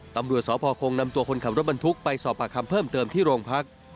ตำรวจสพคงนำตัวคนขับรถบรรทุกไปสอบปากคำเพิ่มเติมที่โรงพัก